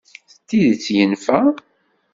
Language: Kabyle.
S tidett yenfa?